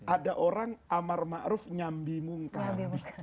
ada orang amar ma'ruf nyambi mungkar